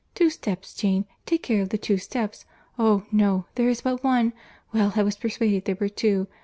Two steps, Jane, take care of the two steps. Oh! no, there is but one. Well, I was persuaded there were two.